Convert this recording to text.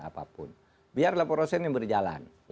apapun biar laporan ini berjalan